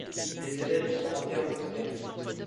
Les élèves y sont internes ou externes.